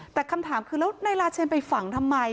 แต่คำถามคือแล้วนายลาเชนไปฝังทำไม